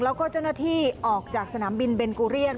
แล้วก็เจ้าหน้าที่ออกจากสนามบินเบนกูเรียน